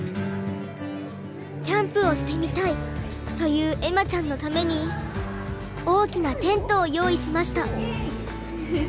「キャンプをしてみたい」という恵麻ちゃんのために大きなテントを用意しました。